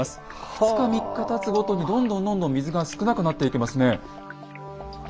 ２日３日たつごとにどんどんどんどん水が少なくなっていきますね。